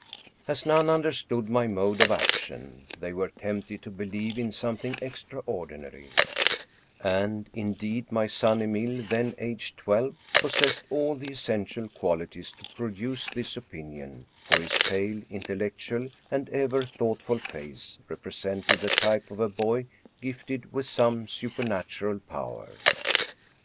As none understood my mode of action, they were tempted to believe in something extraordinary, and, indeed, my son Emile, then aged twelve, possessed all the essential qualities to produce this opinion, for his pale, intellectual, and ever thoughtful face represented the type of a boy gifted with some supernatural power.